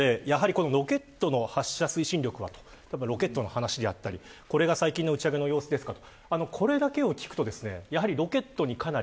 ということでやはりロケットの発射推進力はとロケットの話だったりこれが最近の打ち上げの様子ですかと。